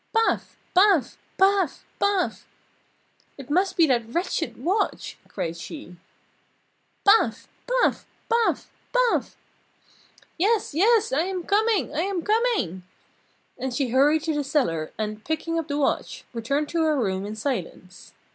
"Paf! Paf! Paf! Paf!" "It must be that wretched watch!" cried she. "Paf! Paf! Paf! Paf!" "Yes! Yes! I am coming! I am coming!" And she hurried to the cellar and, picking up the watch, returned to her room in silence.